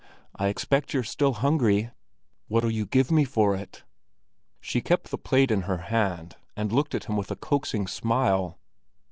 "I expect you're still hungry. What'll you give me for it?" She kept the plate in her hand, and looked at him with a coaxing smile.